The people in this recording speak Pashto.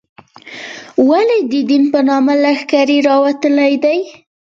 ولې د دین په نامه لښکرې راوتلې دي.